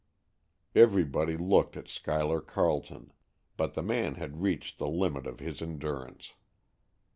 Everybody looked at Schuyler Carleton. But the man had reached the limit of his endurance.